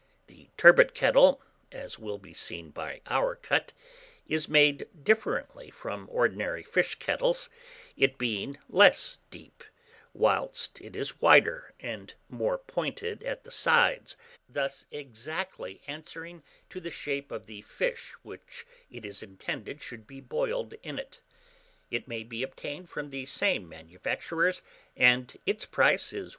The turbot kettle, as will be seen by our cut, is made differently from ordinary fish kettles, it being less deep, whilst it is wider, and more pointed at the sides; thus exactly answering to the shape of the fish which it is intended should be boiled in it. It may be obtained from the same manufacturers, and its price is £1.